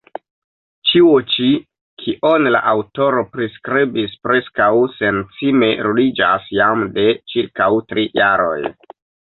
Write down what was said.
Ĉio ĉi, kion la aŭtoro priskribis, preskaŭ sencime ruliĝas jam de ĉirkaŭ tri jaroj.